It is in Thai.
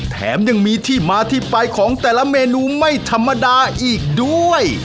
แถมยังมีที่มาที่ไปของแต่ละเมนูไม่ธรรมดาอีกด้วย